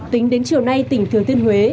tính đến chiều nay tỉnh thừa tiên huế